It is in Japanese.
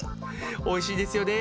おいしいですよね。